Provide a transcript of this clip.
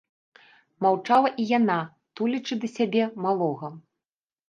Маўчала і яна, тулячы да сябе малога.